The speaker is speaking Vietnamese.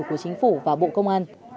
của chính phủ và bộ công an